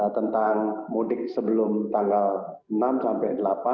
tentang mudik sebelum tanggal enam sampai delapan